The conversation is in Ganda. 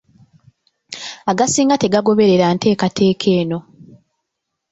Agasinga tegagoberera nteekateeka eno.